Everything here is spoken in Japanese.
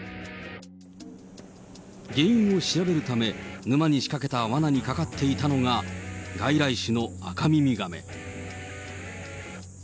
原因を調べるため、沼に仕掛けたわなにかかっていたのが、外来種のアカミミガメ。